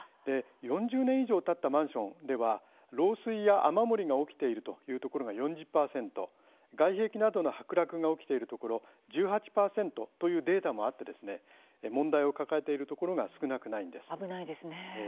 ４０年以上たったマンションでは漏水や雨漏りが起きているというところが、４０％外壁などの剥落が起きているところ、１８％というデータもあって問題を抱えているところが危ないですね。